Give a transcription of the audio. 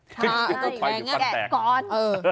ใช่แบบนี้แกะก่อน